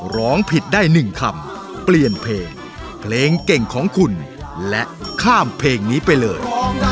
ร้องผิดได้๑คำเปลี่ยนเพลงเพลงเก่งของคุณและข้ามเพลงนี้ไปเลย